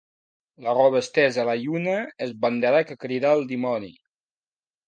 La roba estesa a la lluna és bandera que crida al dimoni.